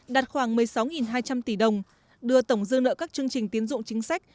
đạt khoảng một mươi sáu hai trăm linh tỷ đồng đưa tổng dư nợ các chương trình tiến dụng chính sách